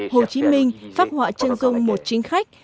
hồ chí minh phát họa chân công một chính khách